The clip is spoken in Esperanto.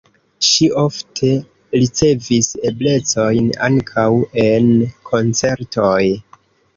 Ŝi ofte ricevis eblecojn ankaŭ en koncertoj.